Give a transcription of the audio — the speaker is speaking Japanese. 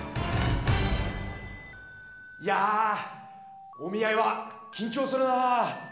いやお見合いは緊張するなあ。